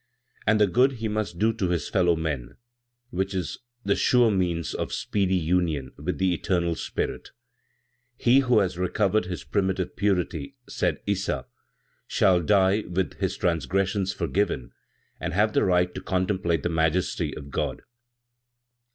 And the good he must do to his fellow men, which is the sure means of speedy union with the eternal Spirit. "He who has recovered his primitive purity," said Issa, "shall die with his transgressions forgiven and have the right to contemplate the majesty of God."